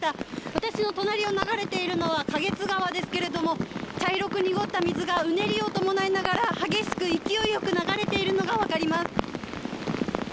私の隣を流れているのは花月川ですけれども、茶色く濁った水がうねりを伴いながら激しく勢いよく流れているのが分かります。